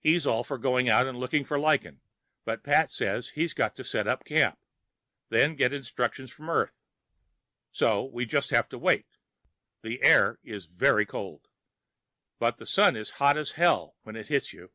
He's all for going out and looking for lichen, but Pat says he's got to set up camp, then get instructions from Earth. So we just have to wait. The air is very cold, but the Sun is hot as hell when it hits you.